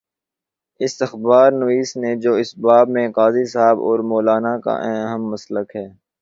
اس اخبار نویس نے جو اس باب میں قاضی صاحب اور مو لانا کا ہم مسلک ہے۔